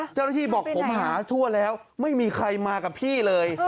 เจ้าหน้าที่บอกผมหาทั่วแล้วไม่มีใครมากับพี่เลย